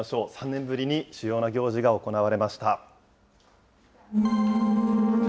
３年ぶりに主要な行事が行われました。